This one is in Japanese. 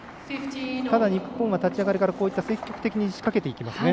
ただ日本は立ち上がりからこういった積極的に仕掛けていきますね。